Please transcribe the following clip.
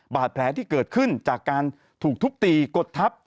บาดแผลที่เกิดขึ้นจากการถูกทุบตีกดทับ